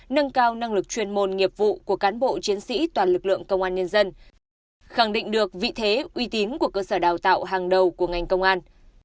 nâng cao năng lực chuyên môn nghiệp vụ của cán bộ chiến sĩ toàn lực lượng công an nhân dân khẳng định được vị thế uy tín của cơ sở đào tạo hàng đầu của ngành công an